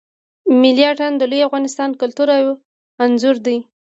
ملی آتڼ د لوی افغانستان کلتور او آنځور دی.